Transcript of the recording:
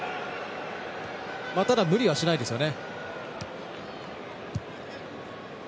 ただ無理はしないですよね。